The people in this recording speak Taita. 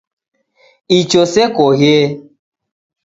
Icho sekoghe